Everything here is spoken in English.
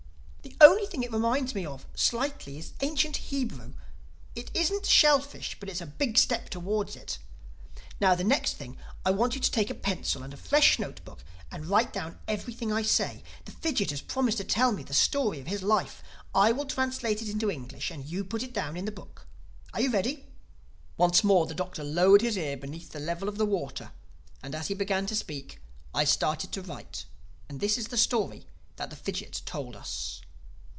The only thing it reminds me of—slightly—is ancient Hebrew. It isn't shellfish; but it's a big step towards it. Now, the next thing, I want you to take a pencil and a fresh notebook and write down everything I say. The fidgit has promised to tell me the story of his life. I will translate it into English and you put it down in the book. Are you ready?" Once more the Doctor lowered his ear beneath the level of the water; and as he began to speak, I started to write. And this is the story that the fidgit told us.